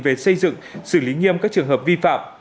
về xây dựng xử lý nghiêm các trường hợp vi phạm